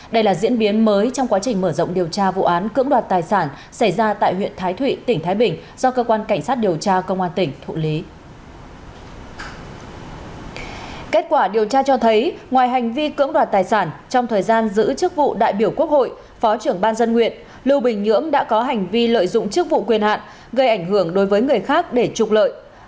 đây là diễn biến mới trong quá trình mở rộng điều tra vụ án cưỡng đoạt tài sản xảy ra tại huyện thái thụy tỉnh thái bình do cơ quan cảnh sát điều tra công an tỉnh thụ lý